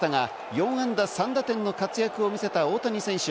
４安打３打点の活躍を見せた大谷選手。